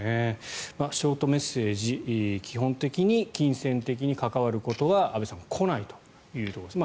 ショートメッセージ基本的に、金銭的に関わることは安部さん来ないというところです。